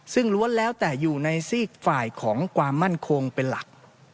ซึ่งล้วนแล้วแต่อยู่ในซีกฝ่ายของความมั่นคงเป็นหลัก